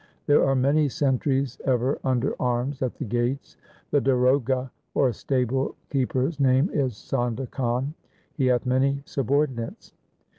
There are many sentries ever under arms at the gates. The Darogha or stable keeper's name is Sondha Khan. He hath many subordinates.